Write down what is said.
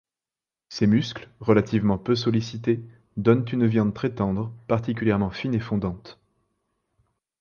Ces muscles, relativement peu sollicités, donnent une viande très tendre, particulièrement fine et fondante.